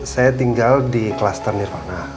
saya tinggal di kluster nirwana